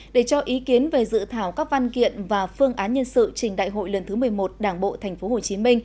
để cho ý kiến về dự thảo các văn kiện và phương án nhân sự trình đại hội lần thứ một mươi một đảng bộ tp hcm